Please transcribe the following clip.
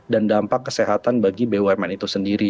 dan dampak kesehatan bagi bumn itu sendiri